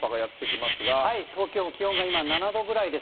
また、東京も気温が今、７度くらいです。